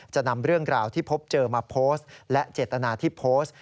จะนำเรื่องราวที่พบเจอมาโพสต์และเจตนาที่โพสต์